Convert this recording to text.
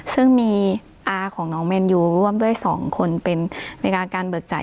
ซึ่งมีอาของน้องแมนยูร่วมด้วย๒คนเป็นเวลาการเบิกจ่าย